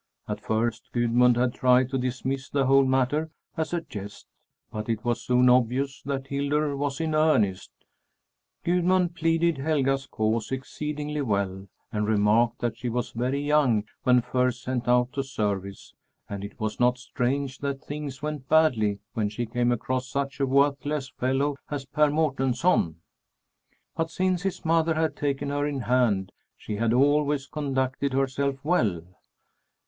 At first Gudmund had tried to dismiss the whole matter as a jest, but it was soon obvious that Hildur was in earnest. Gudmund pleaded Helga's cause exceedingly well and remarked that she was very young when first sent out to service and it was not strange that things went badly when she came across such a worthless fellow as Per Mårtensson. But since his mother had taken her in hand, she had always conducted herself well.